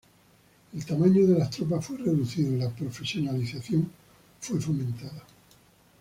El tamaño de las tropas fue reducido y la profesionalización fue fomentada.